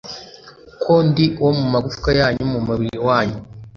ko ndi uwo mu magufwa yanyu n'umubiri wanyu